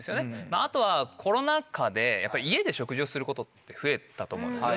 あとはコロナ禍でやっぱり家で食事をすることって増えたと思うんですよ。